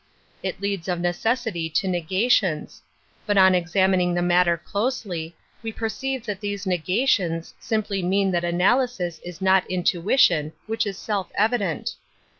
It leada of necessity to negations ; but on examining the matter closely, we perceive that these negations simply mean that analysis is not intuition, which is self evident.